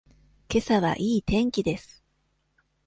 けさはいい天気です。